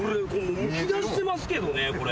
むき出してますけどね。